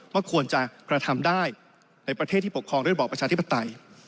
ว่าควรจะกระทำได้ในประเทศที่ปกครองด้วยบอบประชาธิปไตย